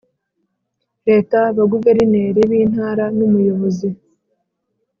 Leta abaguverineri b intara n umuyobozi